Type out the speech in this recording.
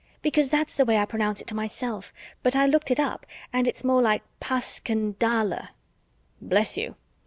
"Because that's the way I pronounce it to myself. But I looked it up and it's more like Pas ken DA luh." "Bless you!